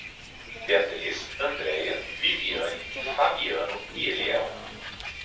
Beatris, Andreia, Viviane, Fabiano e Eliel